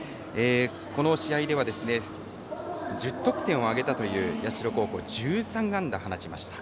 この試合では１０得点を挙げたという社高校１３安打放ちました。